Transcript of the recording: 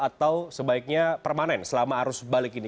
atau sebaiknya permanen selama arus balik ini